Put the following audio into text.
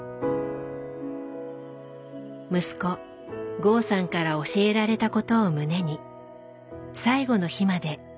息子剛さんから教えられたことを胸に最期の日まで伴走します。